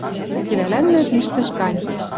Цилӓлӓннӓ тиштӹш гань.